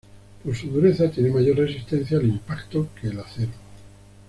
Por su dureza tiene mayor resistencia al impacto que el acero.